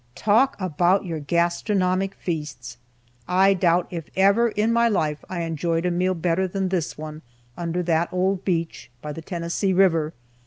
Talk about your gastronomic feasts! I doubt if ever in my life I enjoyed a meal better than this one, under that old beech, by the Tennessee river.